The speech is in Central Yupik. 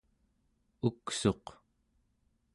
uksuq